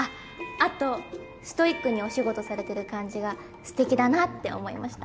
あとストイックにお仕事されてる感じが素敵だなって思いました。